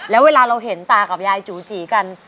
แล้วเวลาเราเห็นตากับยายจูจีกัน